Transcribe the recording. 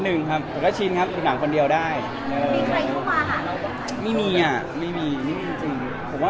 หรือเราค่อนข้างเป็นเพิ่มร่วมหลงหัว